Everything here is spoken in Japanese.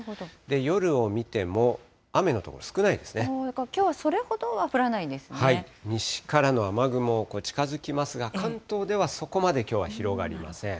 夜を見ても、きょうはそれほどは降らない西からの雨雲、近づきますが、関東ではそこまできょうは広がりません。